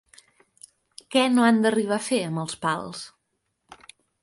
Què no han d'arribar a fer amb els pals?